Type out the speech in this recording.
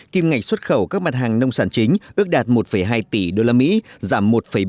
kim ngạch xuất khẩu các mặt hàng nông sản chính ước đạt một hai tỷ đô la mỹ giảm một bảy